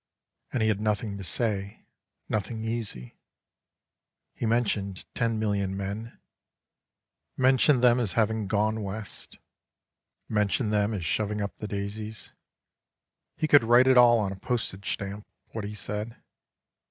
And he had nothing to say, nothing easy — He mentioned ten million men, mentioned them as having gone west, mentioned them as shoving up the daisies. We could write it all on a postage stamp, what he said.